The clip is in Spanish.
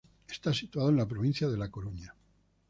Está situado en la provincia de La Coruña.